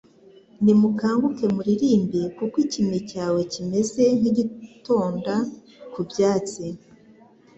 nimukanguke muririmbe, kuko ikime cyawe kimeze nk'igitonda ku byatsi,